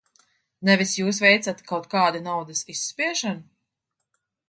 Nevis jūs veicat kaut kādu naudas izspiešanu?